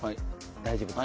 大丈夫ですか？